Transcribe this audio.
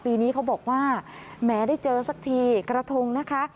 ปีนี้เขาบอกว่าแหมได้เจอสักทีกระทงนะคะ